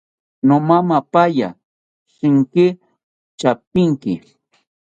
Nomamapaya shintzi tyapinki